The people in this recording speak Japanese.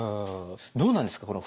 どうなんですか？